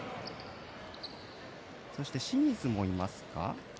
そして清水もいますか。